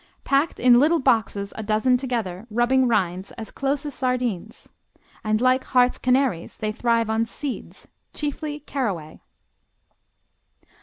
Packed in little boxes, a dozen together, rubbing rinds, as close as sardines. And like Harz canaries, they thrive on seeds, chiefly caraway.